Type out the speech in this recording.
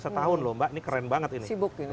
setahun loh mbak ini keren banget ini sibuk ini